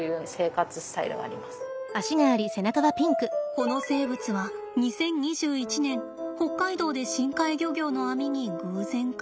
この生物は２０２１年北海道で深海漁業の網に偶然かかりました。